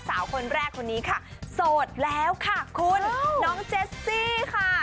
สาวคนแรกคนนี้ค่ะโสดแล้วค่ะคุณน้องเจสซี่ค่ะ